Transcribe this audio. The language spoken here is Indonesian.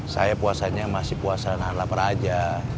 saya puasanya masih puasa nah lapar aja